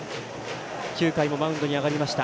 ９回もマウンドに上がりました。